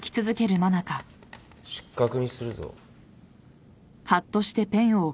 失格にするぞ。